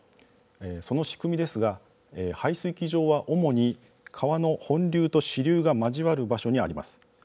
その仕組みですが排水機場は、主に川の本流と支流が交わる場所にあります。